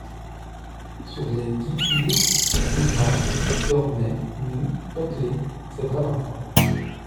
Sur les guipures du drap, dormaient, nus, potelés, ses bras d'enfant.